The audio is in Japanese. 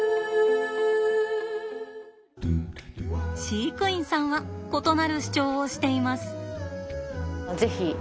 飼育員さんは異なる主張をしています。